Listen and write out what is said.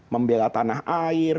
membela tanah air